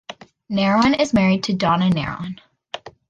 Narron is married to Donna Narron.